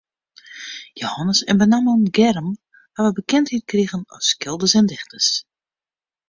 Jehannes en benammen Germ hawwe bekendheid krigen as skilders en dichters.